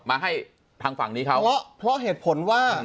มาให้ทางฝั่งนี้เขาเพราะเหตุผลว่า